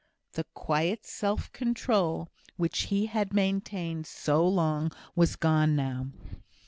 The quiet self control which he had maintained so long, was gone now.